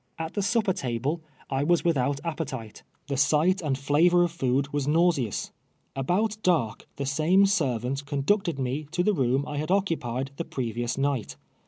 ^\t the snj>})er table, I was without appetite; the si^ ht and ilavor of food was nauseous. Al)out dark the saiuc servant conducted me to the room I had occuj)ied the })revious uii; ht.